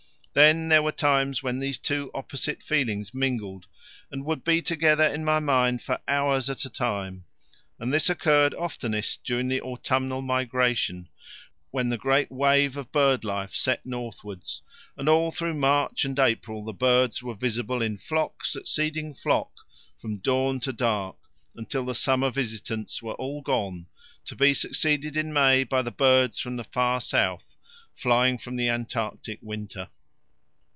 Then there were times when these two opposite feelings mingled and would be together in my mind for hours at a time, and this occurred oftenest during the autumnal migration, when the great wave of bird life set northwards, and all through March and April the birds were visible in flock succeeding flock from dawn to dark, until the summer visitants were all gone, to be succeeded in May by the birds from the far south, flying from the Antarctic winter.